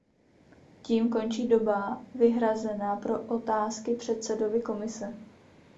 Tím končí doba vyhrazená pro otázky předsedovi Komise.